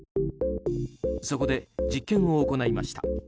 そこで、実験を行いました。